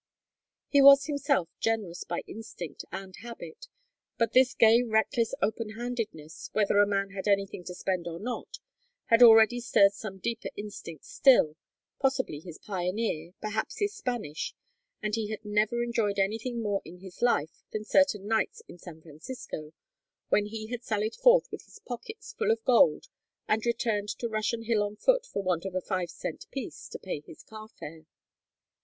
He was himself generous by instinct and habit, but this gay reckless openhandedness, whether a man had anything to spend or not, had already stirred some deeper instinct still, possibly his pioneer, perhaps his Spanish, and he had never enjoyed anything more in his life than certain nights in San Francisco, when he had sallied forth with his pockets full of gold and returned to Russian Hill on foot for want of a five cent piece to pay his car fare.